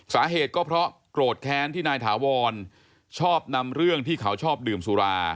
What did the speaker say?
สาเหตุก็เพราะโกรธแค้นที่นายถาวรชอบนำเรื่องที่เขาชอบดื่มสุรา